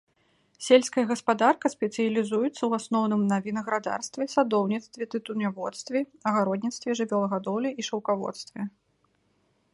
Сельская гаспадарка спецыялізуецца ў асноўным на вінаградарстве, садоўніцтве, тытуняводстве, агародніцтве, жывёлагадоўлі і шаўкаводстве.